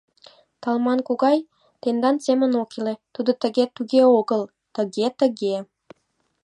Талман Когой тендан семын ок иле, тудо тыге-туге огыл, тыге-тыге...